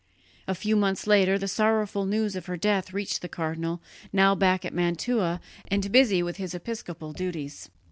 A few months later the sorrowful news of her death reached the cardinal, now back at Mantua and busy with his episcopal duties.